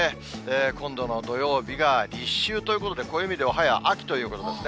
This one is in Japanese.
今度の土曜日が立秋ということで、暦では早、秋ということですね。